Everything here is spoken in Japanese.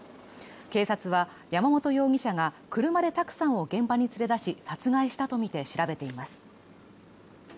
警察は、山本容疑者が車で卓さんを現場に連れ出し、殺害したとみて調べています。